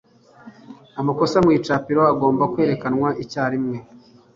Amakosa mu icapiro agomba kwerekanwa icyarimwe.